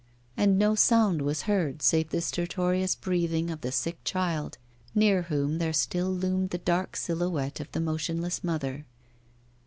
And no sound was heard save the stertorous breathing of the sick child, near whom there still loomed the dark silhouette of the motionless mother.